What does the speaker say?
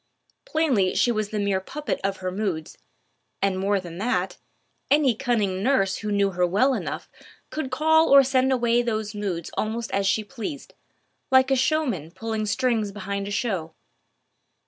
Plainly she was the mere puppet of her moods, and more than that, any cunning nurse who knew her well enough could call or send away those moods almost as she pleased, like a showman pulling strings behind a show.